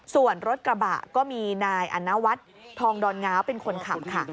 ส่วนรถกระบะก็มีนายอนวัฒน์ทองดอนง้าวเป็นคนขับค่ะ